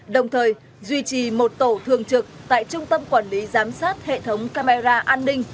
đồng thời duy trì một tổ thường trực tại trung tâm quản lý giám sát hệ thống camera an ninh